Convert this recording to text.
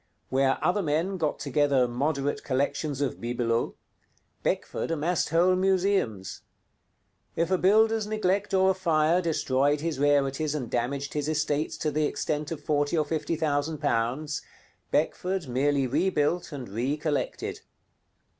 Where other men got together moderate collections of bibelots, Beckford amassed whole museums. If a builder's neglect or a fire destroyed his rarities and damaged his estates to the extent of forty or fifty thousand pounds, Beckford merely rebuilt and re collected.